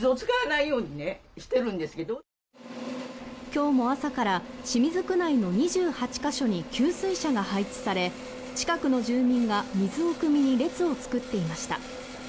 今日も朝から清水区内の２８箇所に給水車が配置され近くの住民が水をくみに列を作っていました。